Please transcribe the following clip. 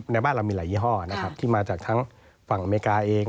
ในบ้านเรามีหลายยี่ห้อนะครับที่มาจากทั้งฝั่งอเมริกาเอง